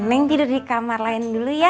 main tidur di kamar lain dulu ya